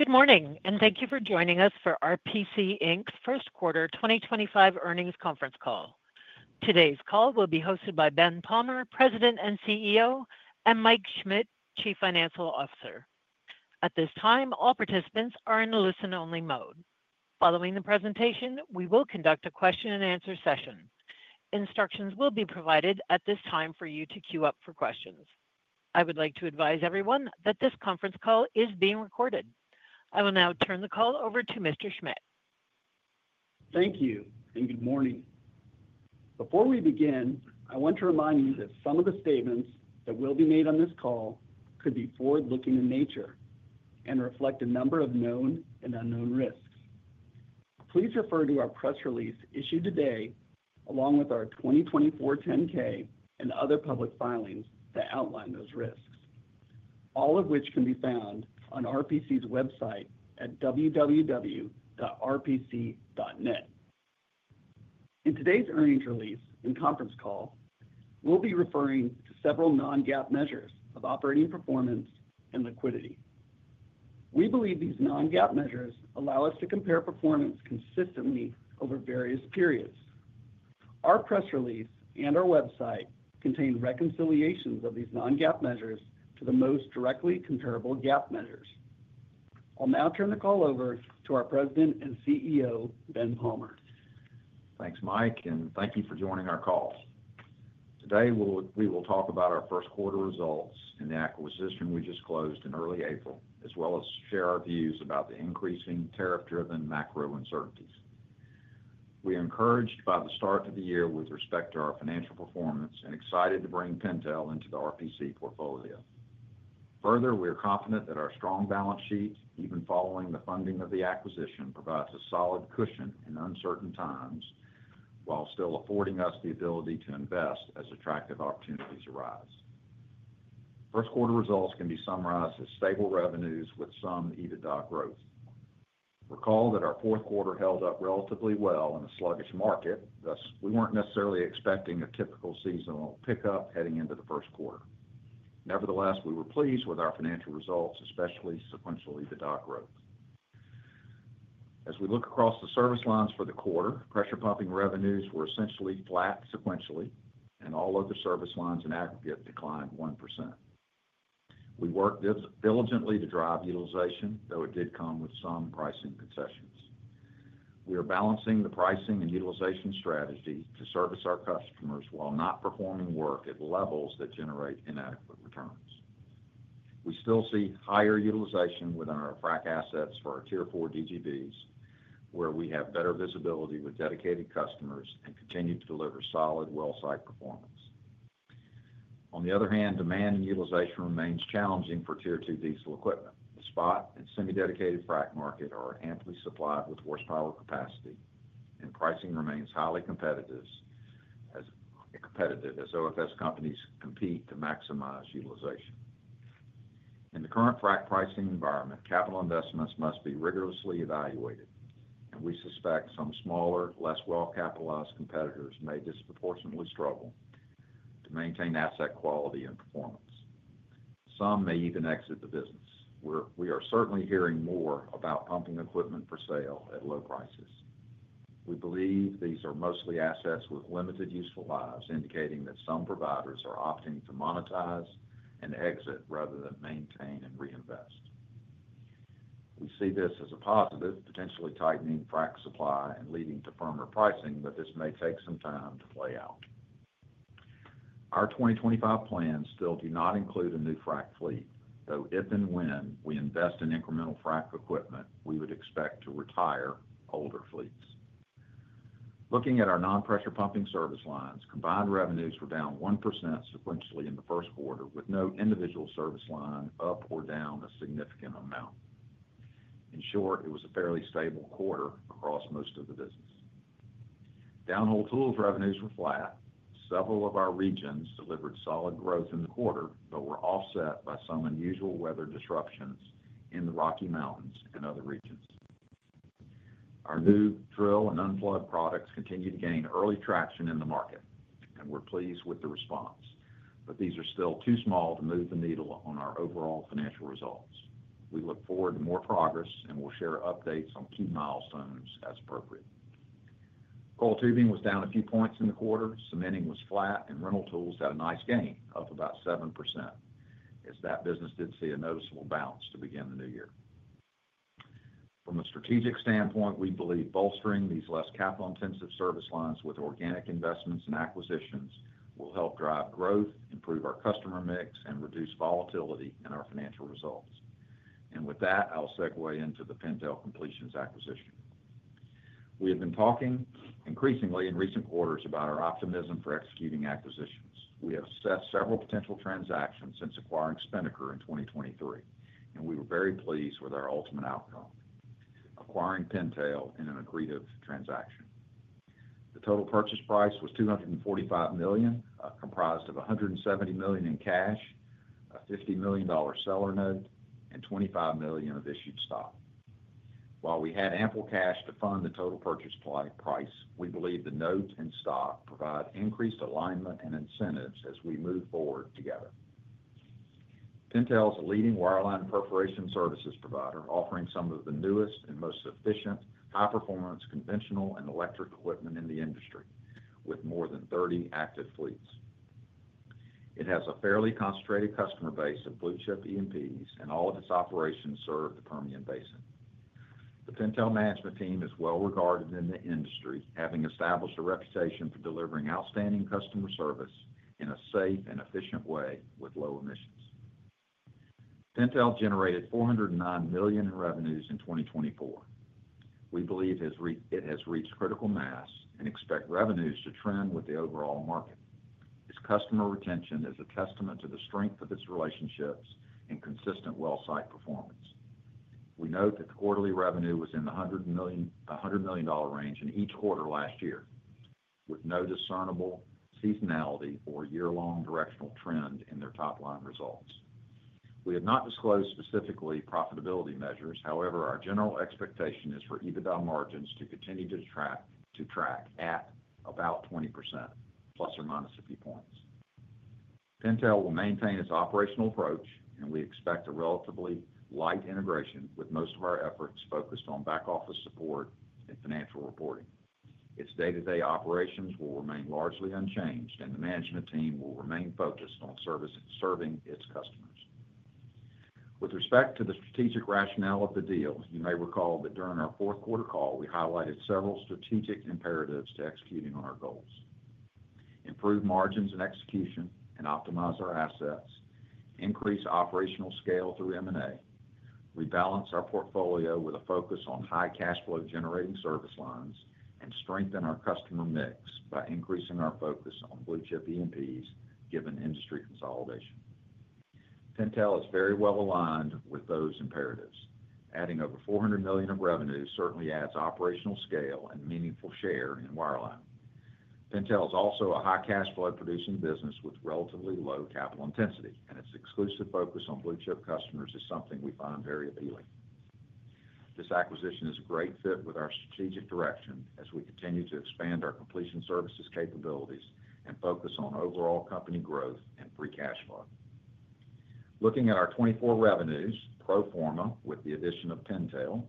Good morning, and Thank you for Joining us for RPC's Q1 2025 Earnings Conference Call. Today's call will be hosted by Ben Palmer, President and CEO, and Mike Schmit, Chief Financial Officer. At this time, all participants are in the listen-only mode. Following the presentation, we will conduct a question-and-answer session. Instructions will be provided at this time for you to queue up for questions. I would like to advise everyone that this conference call is being recorded. I will now turn the call over to Mr. Schmit. Thank you, and good morning. Before we begin, I want to remind you that some of the statements that will be made on this call could be forward-looking in nature and reflect a number of known and unknown risks. Please refer to our press release issued today, along with our 2024 10-K and other public filings that outline those risks, all of which can be found on RPC's website at www.rpc.net. In today's earnings release and conference call, we'll be referring to several non-GAAP measures of operating performance and liquidity. We believe these non-GAAP measures allow us to compare performance consistently over various periods. Our press release and our website contain reconciliations of these non-GAAP measures to the most directly comparable GAAP measures. I'll now turn the call over to our President and CEO, Ben Palmer. Thanks, Mike, and thank you for joining our call. Today, we will talk about our Q1 results and the acquisition we just closed in early April, as well as share our views about the increasing tariff-driven macro uncertainties. We are encouraged by the start of the year with respect to our financial performance and excited to bring Pintail into the RPC portfolio. Further, we are confident that our strong balance sheet, even following the funding of the acquisition, provides a solid cushion in uncertain times while still affording us the ability to invest as attractive opportunities arise. Q1 results can be summarized as stable revenues with some EBITDA growth. Recall that our Q4 held up relatively well in a sluggish market; thus, we were not necessarily expecting a typical seasonal pickup heading into the Q1. Nevertheless, we were pleased with our financial results, especially sequential EBITDA growth. As we look across the service lines for the quarter, pressure pumping revenues were essentially flat sequentially, and all other service lines in aggregate declined 1%. We worked diligently to drive utilization, though it did come with some pricing concessions. We are balancing the pricing and utilization strategy to service our customers while not performing work at levels that generate inadequate returns. We still see higher utilization within our frac assets for our Tier 4 DGBs, where we have better visibility with dedicated customers and continue to deliver solid, wellsite performance. On the other hand, demand and utilization remain challenging for Tier 2 diesel equipment. The spot and semi-dedicated frac market are amply supplied with horsepower capacity, and pricing remains highly competitive as OFS companies compete to maximize utilization. In the current frac pricing environment, capital investments must be rigorously evaluated, and we suspect some smaller, less well-capitalized competitors may disproportionately struggle to maintain asset quality and performance. Some may even exit the business. We are certainly hearing more about pumping equipment for sale at low prices. We believe these are mostly assets with limited useful lives, indicating that some providers are opting to monetize and exit rather than maintain and reinvest. We see this as a positive, potentially tightening frac supply and leading to firmer pricing, but this may take some time to play out. Our 2025 plans still do not include a new frac fleet, though if and when we invest in incremental frac equipment, we would expect to retire older fleets. Looking at our non-pressure pumping service lines, combined revenues were down 1% sequentially in the Q1, with no individual service line up or down a significant amount. In short, it was a fairly stable quarter across most of the business. Downhole tools revenues were flat. Several of our regions delivered solid growth in the quarter, though were offset by some unusual weather disruptions in the Rocky Mountains and other regions. Our new drill and unplug products continue to gain early traction in the market, and we're pleased with the response, but these are still too small to move the needle on our overall financial results. We look forward to more progress and will share updates on key milestones as appropriate. Coiled tubing was down a few points in the quarter, cementing was flat, and rental tools had a nice gain, up about 7%, as that business did see a noticeable bounce to begin the new year. From a strategic standpoint, we believe bolstering these less cap-intensive service lines with organic investments and acquisitions will help drive growth, improve our customer mix, and reduce volatility in our financial results. With that, I'll segue into the Pintail Completions acquisition. We have been talking increasingly in recent quarters about our optimism for executing acquisitions. We have assessed several potential transactions since acquiring Spinnaker in 2023, and we were very pleased with our ultimate outcome, acquiring Pintail in an agreed-up transaction. The total purchase price was $245 million, comprised of $170 million in cash, a $50 million seller note, and $25 million of issued stock. While we had ample cash to fund the total purchase price, we believe the note and stock provide increased alignment and incentives as we move forward together. Pintail is a leading wireline perforation services provider, offering some of the newest and most efficient high-performance conventional and electric equipment in the industry, with more than 30 active fleets. It has a fairly concentrated customer base of blue-chip E&Ps, and all of its operations serve the Permian Basin. The Pintail management team is well-regarded in the industry, having established a reputation for delivering outstanding customer service in a safe and efficient way with low emissions. Pintail generated $409 million in revenues in 2024. We believe it has reached critical mass and expect revenues to trend with the overall market. Its customer retention is a testament to the strength of its relationships and consistent wellsite performance. We note that the quarterly revenue was in the $100 million range in each quarter last year, with no discernible seasonality or year-long directional trend in their top-line results. We have not disclosed specifically profitability measures; however, our general expectation is for EBITDA margins to continue to track at about 20%, +/- a few points. Pintail will maintain its operational approach, and we expect a relatively light integration, with most of our efforts focused on back-office support and financial reporting. Its day-to-day operations will remain largely unchanged, and the management team will remain focused on serving its customers. With respect to the strategic rationale of the deal, you may recall that during our Q4 call, we highlighted several strategic imperatives to executing on our goals: improve margins and execution, and optimize our assets, increase operational scale through M&A, rebalance our portfolio with a focus on high cash flow generating service lines and strengthen our customer mix by increasing our focus on blue-chip E&Ps, given industry consolidation. Pintail is very well aligned with those imperatives. Adding over $400 million of revenue certainly adds operational scale and meaningful share in wireline. Pintail is also a high cash flow producing business with relatively low capital intensity, and its exclusive focus on blue-chip customers is something we find very appealing. This acquisition is a great fit with our strategic direction as we continue to expand our completion services capabilities and focus on overall company growth and free cash flow. Looking at our 2024 revenues, pro forma with the addition of Pintail,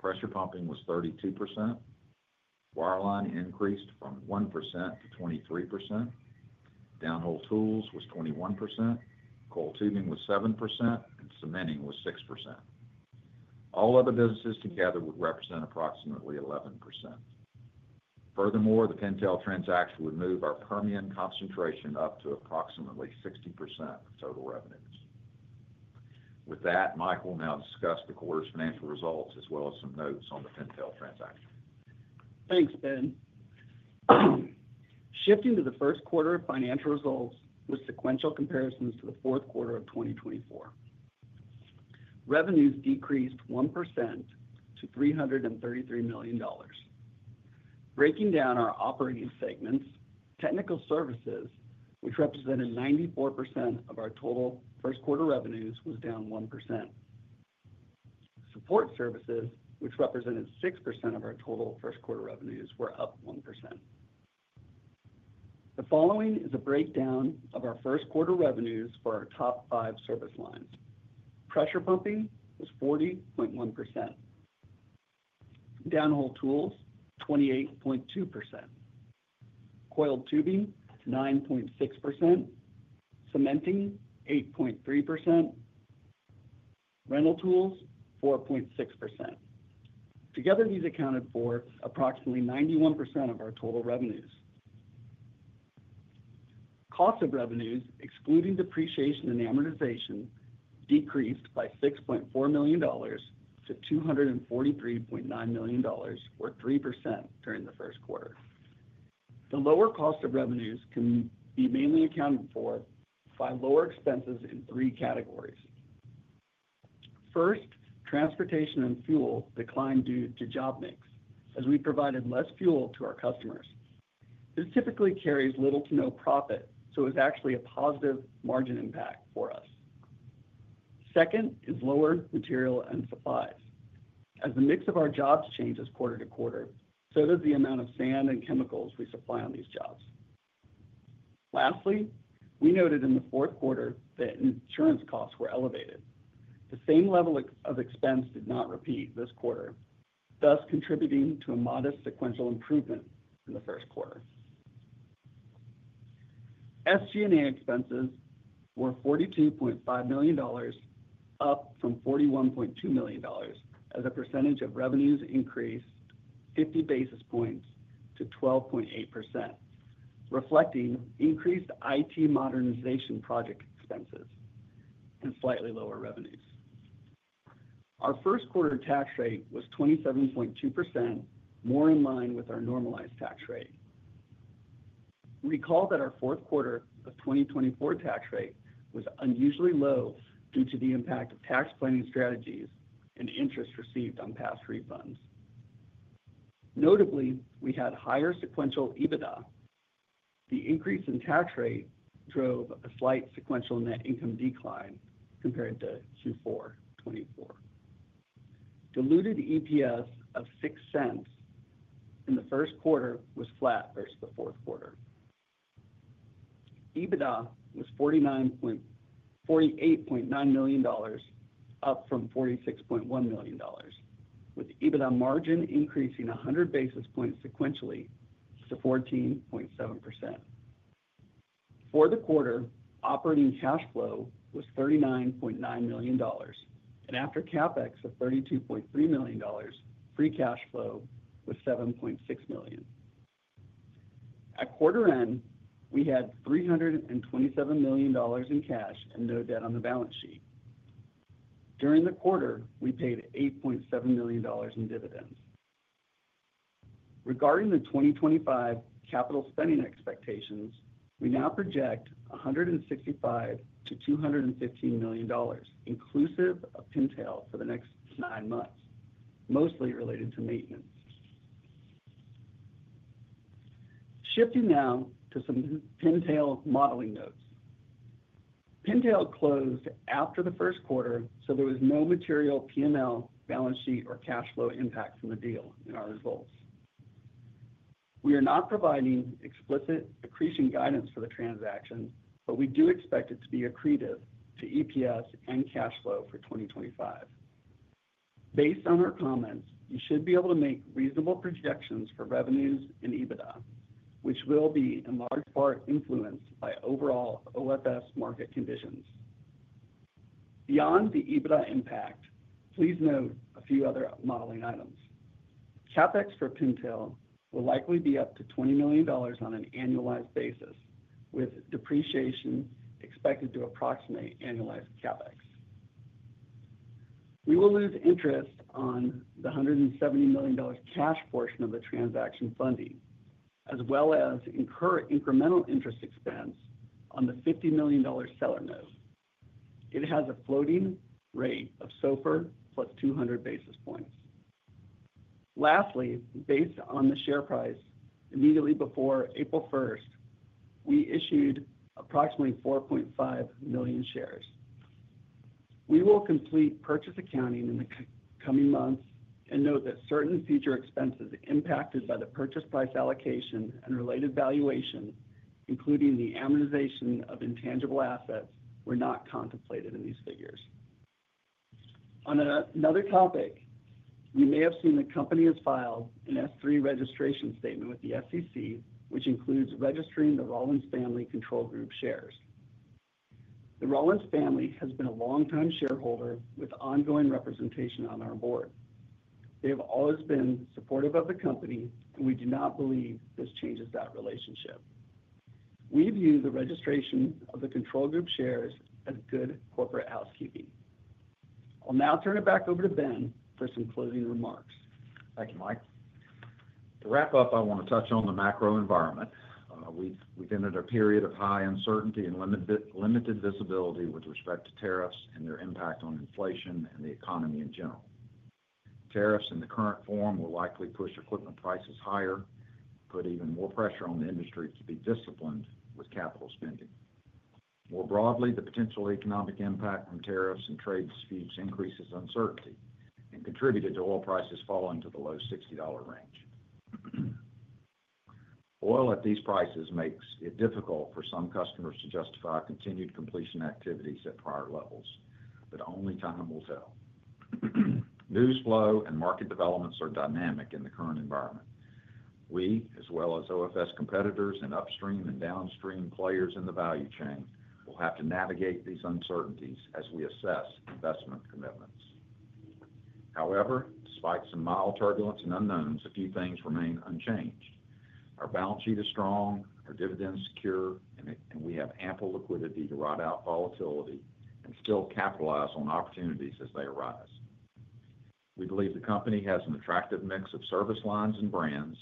pressure pumping was 32%, wireline increased from 1%-23%, downhole tools was 21%, coiled tubing was 7%, and cementing was 6%. All other businesses together would represent approximately 11%. Furthermore, the Pintail transaction would move our Permian concentration up to approximately 60% of total revenues. With that, Michael will now discuss the quarter's financial results as well as some notes on the Pintail transaction. Thanks, Ben. Shifting to the Q1 of financial results with sequential comparisons to the Q4 of 2024, revenues decreased 1% to $333 million. Breaking down our operating segments, technical services, which represented 94% of our total Q1 revenues, was down 1%. Support services, which represented 6% of our total Q1 revenues, were up 1%. The following is a breakdown of our Q1 revenues for our top five service lines. Pressure pumping was 40.1%, downhole tools 28.2%, coil tubing 9.6%, cementing 8.3%, rental tools 4.6%. Together, these accounted for approximately 91% of our total revenues. Cost of revenues, excluding depreciation and amortization, decreased by $6.4 million to $243.9 million, or 3% during the Q1. The lower cost of revenues can be mainly accounted for by lower expenses in three categories. First, transportation and fuel declined due to job mix, as we provided less fuel to our customers. This typically carries little to no profit, so it was actually a positive margin impact for us. Second is lower material and supplies. As the mix of our jobs changes quarter to quarter, so does the amount of sand and chemicals we supply on these jobs. Lastly, we noted in the Q4 that insurance costs were elevated. The same level of expense did not repeat this quarter, thus contributing to a modest sequential improvement in the Q1. SG&A expenses were $42.5 million, up from $41.2 million, as a percentage of revenues increased 50 basis points to 12.8%, reflecting increased IT modernization project expenses and slightly lower revenues. Our Q1 tax rate was 27.2%, more in line with our normalized tax rate. Recall that our Q4 of 2024 tax rate was unusually low due to the impact of tax planning strategies and interest received on past refunds. Notably, we had higher sequential EBITDA. The increase in tax rate drove a slight sequential net income decline compared to Q4 2024. Diluted EPS of $0.06 in the Q1 was flat versus the Q4. EBITDA was $48.9 million, up from $46.1 million, with EBITDA margin increasing 100 basis points sequentially to 14.7%. For the quarter, operating cash flow was $39.9 million, and after capex of $32.3 million, free cash flow was $7.6 million. At quarter end, we had $327 million in cash and no debt on the balance sheet. During the quarter, we paid $8.7 million in dividends. Regarding the 2025 capital spending expectations, we now project $165 million-$215 million, inclusive of Pintail for the next nine months, mostly related to maintenance. Shifting now to some Pintail modeling notes. Pintail closed after the Q1, so there was no material P&L, balance sheet, or cash flow impact from the deal in our results. We are not providing explicit accretion guidance for the transaction, but we do expect it to be accretive to EPS and cash flow for 2025. Based on our comments, you should be able to make reasonable projections for revenues and EBITDA, which will be in large part influenced by overall OFS market conditions. Beyond the EBITDA impact, please note a few other modeling items. Capex for Pintail will likely be up to $20 million on an annualized basis, with depreciation expected to approximate annualized capex. We will lose interest on the $170 million cash portion of the transaction funding, as well as incremental interest expense on the $50 million seller note. It has a floating rate of SOFR plus 200 basis points. Lastly, based on the share price, immediately before April 1, we issued approximately 4.5 million shares. We will complete purchase accounting in the coming months and note that certain future expenses impacted by the purchase price allocation and related valuation, including the amortization of intangible assets, were not contemplated in these figures. On another topic, you may have seen the company has filed an S-3 registration statement with the SEC, which includes registering the Rollins Family Control Group shares. The Rollins Family has been a long-time shareholder with ongoing representation on our board. They have always been supportive of the company, and we do not believe this changes that relationship. We view the registration of the Control Group shares as good corporate housekeeping. I'll now turn it back over to Ben for some closing remarks. Thank you, Mike. To wrap up, I want to touch on the macro environment. We have entered a period of high uncertainty and limited visibility with respect to tariffs and their impact on inflation and the economy in general. Tariffs in the current form will likely push equipment prices higher, put even more pressure on the industry to be disciplined with capital spending. More broadly, the potential economic impact from tariffs and trade disputes increases uncertainty and contributed to oil prices falling to the low $60 range. Oil at these prices makes it difficult for some customers to justify continued completion activities at prior levels, but only time will tell. News flow and market developments are dynamic in the current environment. We, as well as OFS competitors and upstream and downstream players in the value chain, will have to navigate these uncertainties as we assess investment commitments. However, despite some mild turbulence and unknowns, a few things remain unchanged. Our balance sheet is strong, our dividends secure, and we have ample liquidity to ride out volatility and still capitalize on opportunities as they arise. We believe the company has an attractive mix of service lines and brands,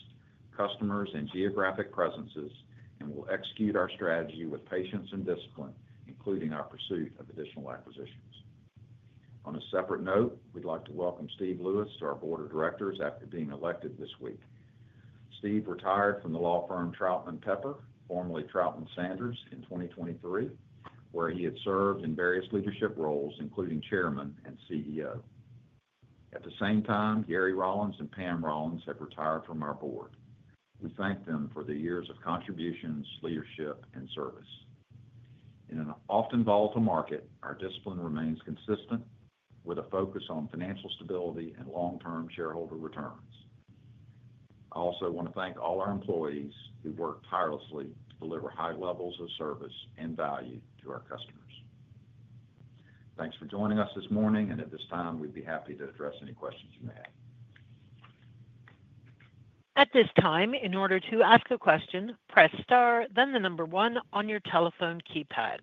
customers, and geographic presences, and will execute our strategy with patience and discipline, including our pursuit of additional acquisitions. On a separate note, we'd like to welcome Steve Lewis to our board of directors after being elected this week. Steve retired from the law firm Troutman Pepper, formerly Troutman Sanders, in 2023, where he had served in various leadership roles, including chairman and CEO. At the same time, Gary Rollins and Pam Rollins have retired from our board. We thank them for the years of contributions, leadership, and service. In an often volatile market, our discipline remains consistent with a focus on financial stability and long-term shareholder returns. I also want to thank all our employees who work tirelessly to deliver high levels of service and value to our customers. Thanks for joining us this morning, and at this time, we'd be happy to address any questions you may have. At this time, in order to ask a question, press star, then the number one on your telephone keypad.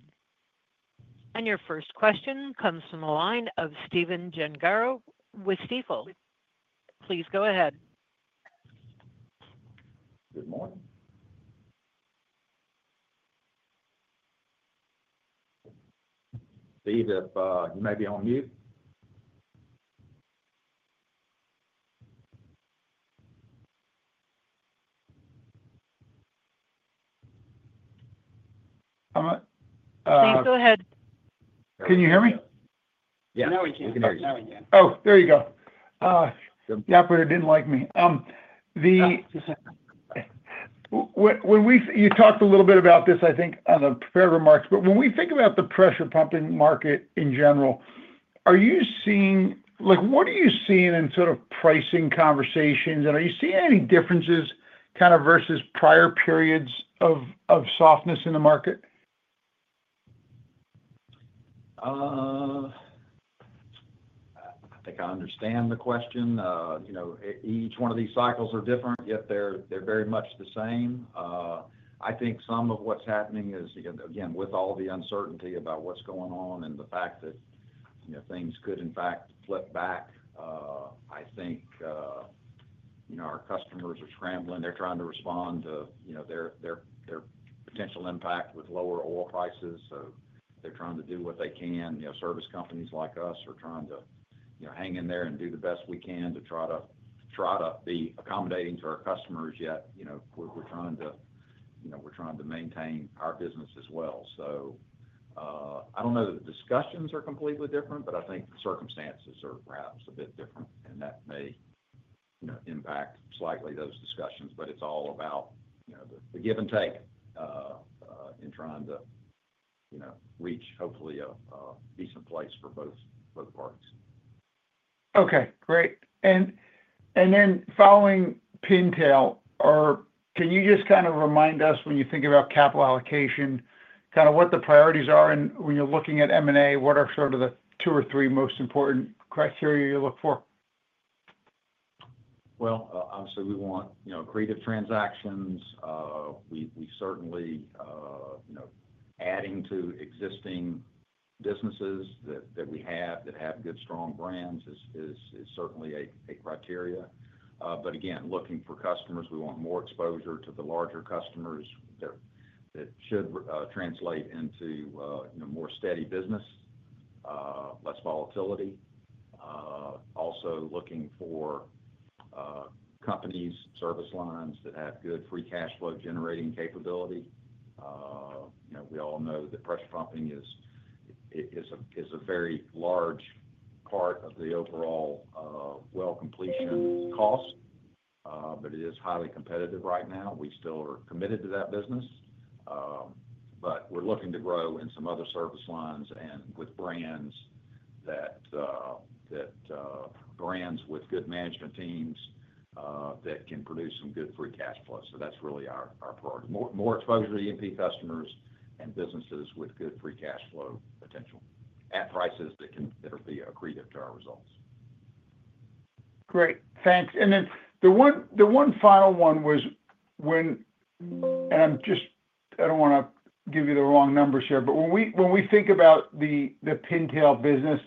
Your first question comes from the line of Stephen Gengaro with Stifel. Please go ahead. Good morning. Steve, you may be on mute. Steve, go ahead. Can you hear me? Yeah. We can hear you. Oh, there you go. Yeah, I put it. Didn't like me. When we, you talked a little bit about this, I think, on the fair remarks. When we think about the pressure pumping market in general, are you seeing, what are you seeing in sort of pricing conversations? Are you seeing any differences kind of versus prior periods of softness in the market? I think I understand the question. Each one of these cycles are different, yet they're very much the same. I think some of what's happening is, again, with all the uncertainty about what's going on and the fact that things could, in fact, flip back, I think our customers are scrambling. They're trying to respond to their potential impact with lower oil prices. They're trying to do what they can. Service companies like us are trying to hang in there and do the best we can to try to be accommodating to our customers, yet we're trying to maintain our business as well. I don't know that the discussions are completely different, but I think the circumstances are perhaps a bit different, and that may impact slightly those discussions. It's all about the give and take in trying to reach, hopefully, a decent place for both parties. Okay. Great. Following Pintail, can you just kind of remind us, when you think about capital allocation, kind of what the priorities are? When you're looking at M&A, what are sort of the two or three most important criteria you look for? Obviously, we want accretive transactions. We certainly, adding to existing businesses that we have that have good, strong brands is certainly a criteria. Again, looking for customers, we want more exposure to the larger customers that should translate into more steady business, less volatility. Also looking for companies, service lines that have good free cash flow generating capability. We all know that pressure pumping is a very large part of the overall well completion cost, but it is highly competitive right now. We still are committed to that business, but we're looking to grow in some other service lines and with brands that, brands with good management teams that can produce some good free cash flow. That is really our priority, more exposure to E&P customers and businesses with good free cash flow potential at prices that are accretive to our results. Great. Thanks. The one final one was when, I do not want to give you the wrong numbers here, but when we think about the Pintail business,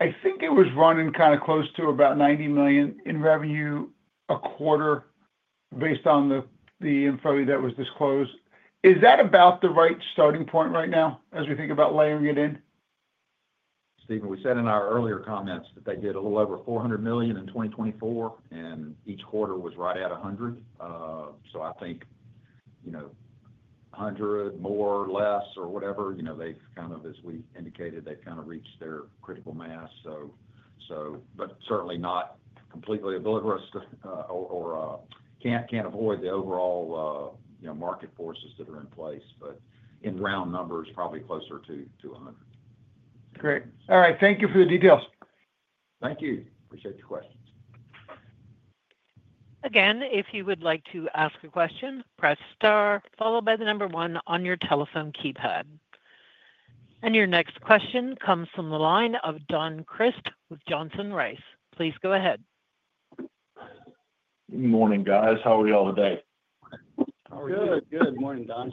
I think it was running kind of close to about $90 million in revenue a quarter based on the info that was disclosed. Is that about the right starting point right now as we think about layering it in? Stephen, we said in our earlier comments that they did a little over $400 million in 2024, and each quarter was right at $100 million. I think $100 million, more, less, or whatever, they've kind of as we indicated, they've kind of reached their critical mass. Certainly not completely obliterated or can't avoid the overall market forces that are in place. In round numbers, probably closer to $100 million. Great. All right. Thank you for the details. Thank you. Appreciate your questions. Again, if you would like to ask a question, press star, followed by the number one on your telephone keypad. Your next question comes from the line of Don Crist with Johnson Rice. Please go ahead. Good morning, guys. How are we all today? How are you? Good morning, Don.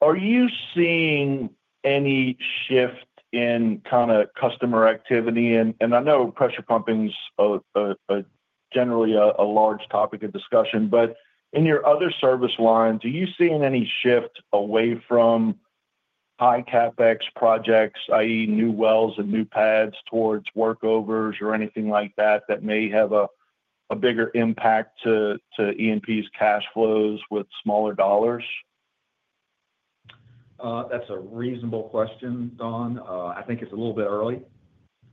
Are you seeing any shift in kind of customer activity? I know pressure pumping's generally a large topic of discussion, but in your other service line, are you seeing any shift away from high Capex projects, i.e., new wells and new pads towards workovers or anything like that that may have a bigger impact to EMP's cash flows with smaller dollars? That's a reasonable question, Don. I think it's a little bit early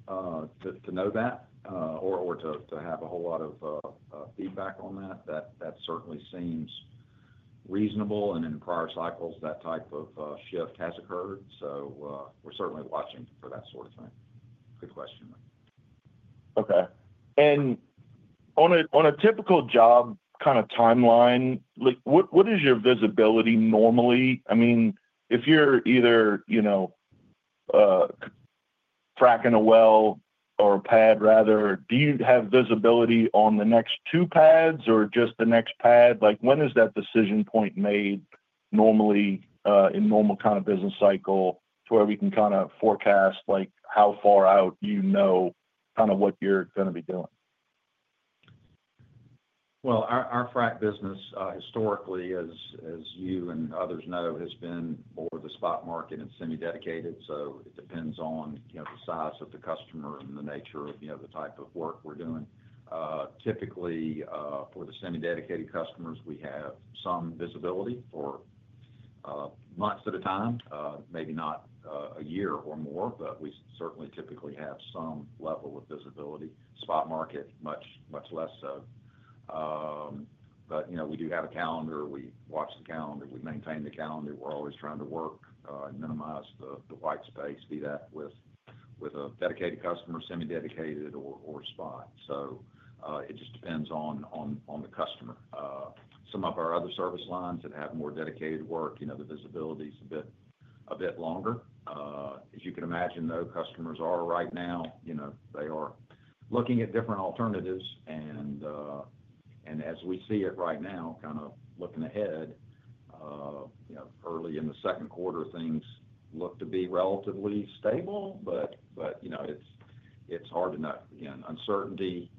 to know that or to have a whole lot of feedback on that. That certainly seems reasonable. In prior cycles, that type of shift has occurred. We are certainly watching for that sort of thing. Good question. Okay. On a typical job kind of timeline, what is your visibility normally? I mean, if you're either fracking a well or a pad, rather, do you have visibility on the next two pads or just the next pad? When is that decision point made normally in normal kind of business cycle to where we can kind of forecast how far out you know kind of what you're going to be doing? Our frack business historically, as you and others know, has been more of the spot market and semi-dedicated. It depends on the size of the customer and the nature of the type of work we are doing. Typically, for the semi-dedicated customers, we have some visibility for months at a time, maybe not a year or more, but we certainly typically have some level of visibility. Spot market, much less so. We do have a calendar. We watch the calendar. We maintain the calendar. We are always trying to work and minimize the white space, be that with a dedicated customer, semi-dedicated, or spot. It just depends on the customer. Some of our other service lines that have more dedicated work, the visibility is a bit longer. As you can imagine, though, customers are right now, they are looking at different alternatives. As we see it right now, kind of looking ahead, early in the Q2, things look to be relatively stable, but it's hard to know. Again, uncertainty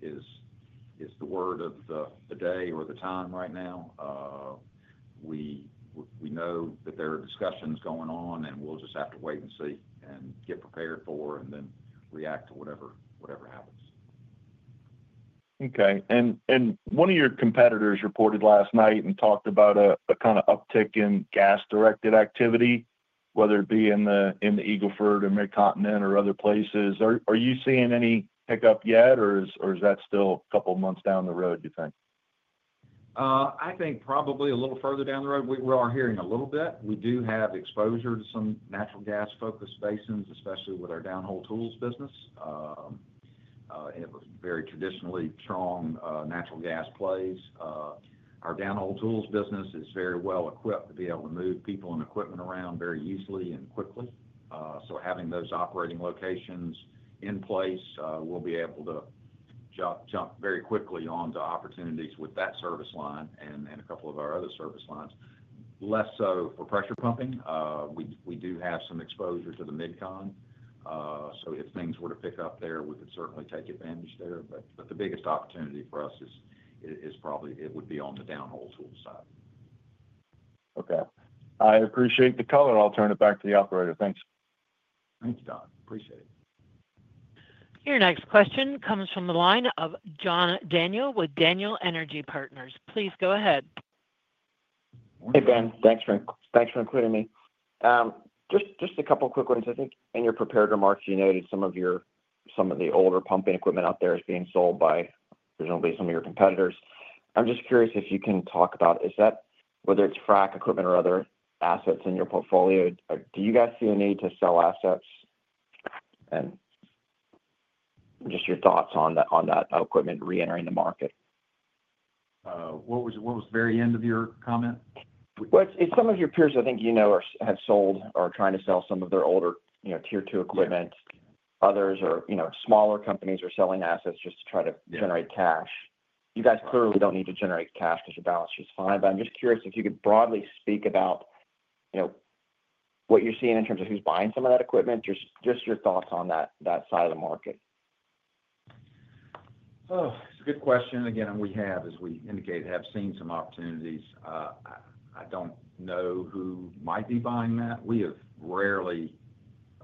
is the word of the day or the time right now. We know that there are discussions going on, and we'll just have to wait and see and get prepared for and then react to whatever happens. Okay. One of your competitors reported last night and talked about a kind of uptick in gas-directed activity, whether it be in the Eagle Ford or Mid-Continent or other places. Are you seeing any hiccup yet, or is that still a couple of months down the road, do you think? I think probably a little further down the road. We are hearing a little bit. We do have exposure to some natural gas-focused basins, especially with our downhole tools business. Very traditionally strong natural gas plays. Our downhole tools business is very well equipped to be able to move people and equipment around very easily and quickly. Having those operating locations in place, we will be able to jump very quickly onto opportunities with that service line and a couple of our other service lines. Less so for pressure pumping. We do have some exposure to the Mid-Continent. If things were to pick up there, we could certainly take advantage there. The biggest opportunity for us is probably it would be on the downhole tool side. Okay. I appreciate the color. I'll turn it back to the operator. Thanks. Thanks, Don. Appreciate it. Your next question comes from the line of John Daniel with Daniel Energy Partners. Please go ahead. Hey, Ben. Thanks for including me. Just a couple of quick ones. I think in your prepared remarks, you noted some of the older pumping equipment out there is being sold by presumably some of your competitors. I'm just curious if you can talk about whether it's frack equipment or other assets in your portfolio. Do you guys see a need to sell assets? Just your thoughts on that equipment re-entering the market. What was the very end of your comment? Some of your peers, I think you know, have sold or are trying to sell some of their older Tier 2 equipment. Others are smaller companies who are selling assets just to try to generate cash. You guys clearly do not need to generate cash because your balance sheet's fine. I'm just curious if you could broadly speak about what you're seeing in terms of who's buying some of that equipment, just your thoughts on that side of the market. It's a good question. Again, we have, as we indicated, have seen some opportunities. I don't know who might be buying that. We have rarely,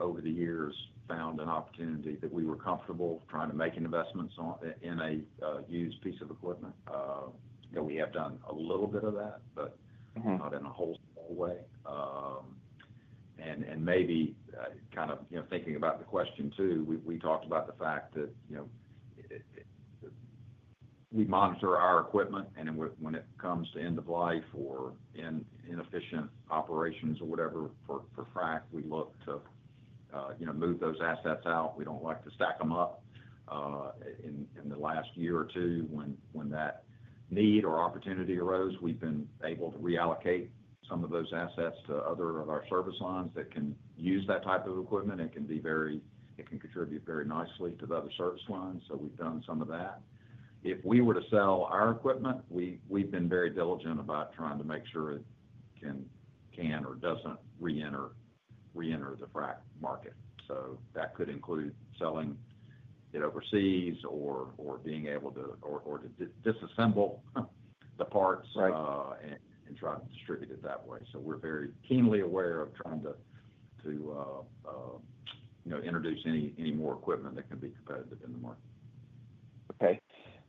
over the years, found an opportunity that we were comfortable trying to make investments in a used piece of equipment. We have done a little bit of that, but not in a wholesale way. Maybe kind of thinking about the question too, we talked about the fact that we monitor our equipment, and when it comes to end of life or inefficient operations or whatever for frac, we look to move those assets out. We don't like to stack them up. In the last year or two, when that need or opportunity arose, we've been able to reallocate some of those assets to other of our service lines that can use that type of equipment and can contribute very nicely to the other service lines. We've done some of that. If we were to sell our equipment, we've been very diligent about trying to make sure it can or doesn't re-enter the frack market. That could include selling it overseas or being able to disassemble the parts and try to distribute it that way. We're very keenly aware of trying to introduce any more equipment that can be competitive in the market.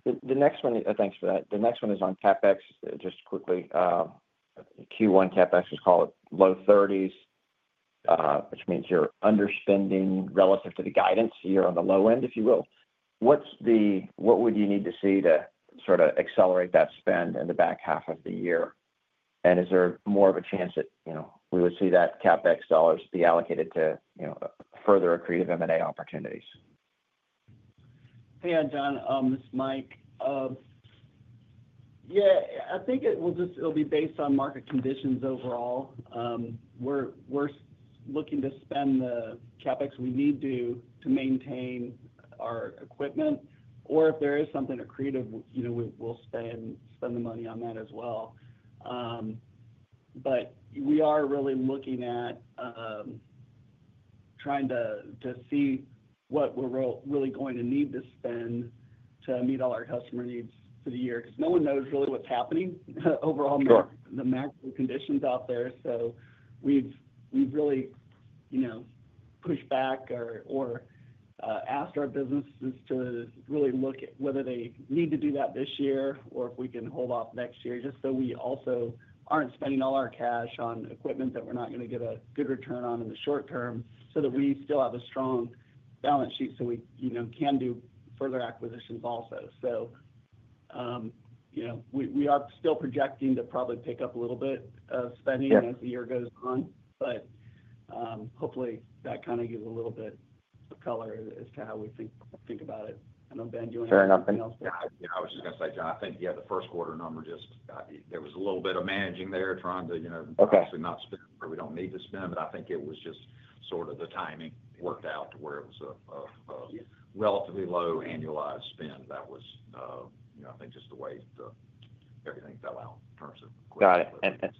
Okay. The next one, thanks for that. The next one is on CapEx, just quickly. Q1 CapEx was called low 30s, which means you're underspending relative to the guidance. You're on the low end, if you will. What would you need to see to sort of accelerate that spend in the back half of the year? Is there more of a chance that we would see that CapEx dollars be allocated to further accretive M&A opportunities? Hey, I'm John. This is Mike. Yeah, I think it will be based on market conditions overall. We're looking to spend the CapEx we need to maintain our equipment, or if there is something accretive, we'll spend the money on that as well. We are really looking at trying to see what we're really going to need to spend to meet all our customer needs for the year because no one knows really what's happening overall, the macro conditions out there. We have really pushed back or asked our businesses to really look at whether they need to do that this year or if we can hold off next year just so we also are not spending all our cash on equipment that we are not going to get a good return on in the short term so that we still have a strong balance sheet so we can do further acquisitions also. We are still projecting to probably pick up a little bit of spending as the year goes on, but hopefully that kind of gives a little bit of color as to how we think about it. I do not know, Ben, do you want to add anything else? Yeah, I was just going to say, John, I think, yeah, the Q1 number, there was a little bit of managing there trying to actually not spend where we don't need to spend, but I think it was just sort of the timing worked out to where it was a relatively low annualized spend. That was, I think, just the way everything fell out in terms of. Got it.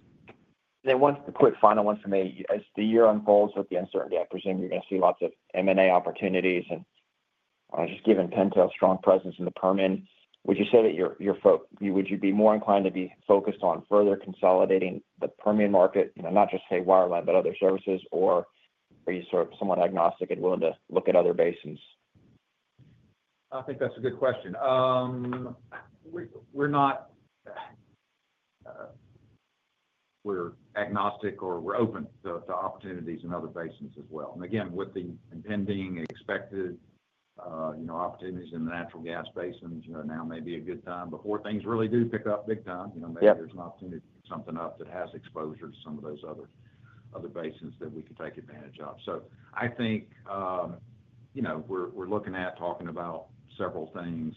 One quick final one for me. As the year unfolds with the uncertainty, I presume you're going to see lots of M&A opportunities. Just given Pintail's strong presence in the Permian, would you say that you're, would you be more inclined to be focused on further consolidating the Permian market, not just, say, wireline, but other services? Are you sort of somewhat agnostic and willing to look at other basins? I think that's a good question. We're agnostic or we're open to opportunities in other basins as well. Again, with the impending expected opportunities in the natural gas basins, now may be a good time before things really do pick up big time. Maybe there's an opportunity to pick something up that has exposure to some of those other basins that we could take advantage of. I think we're looking at talking about several things.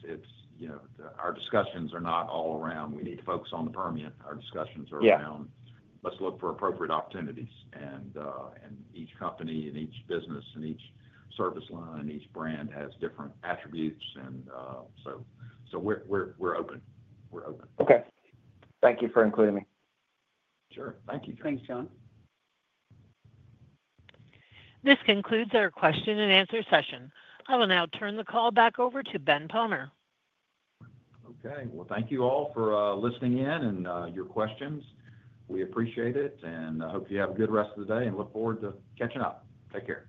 Our discussions are not all around, "We need to focus on the Permian." Our discussions are around, "Let's look for appropriate opportunities." Each company and each business and each service line and each brand has different attributes. We're open. We're open. Okay. Thank you for including me. Sure. Thank you. Thanks, John. This concludes our question-and-answer session. I will now turn the call back over to Ben Palmer. Thank you all for listening in and your questions. We appreciate it. I hope you have a good rest of the day and look forward to catching up. Take care.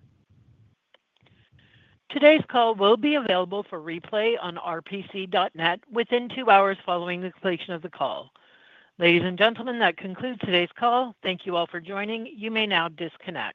Today's call will be available for replay on rpc.net within two hours following the completion of the call. Ladies and gentlemen, that concludes today's call. Thank you all for joining. You may now disconnect.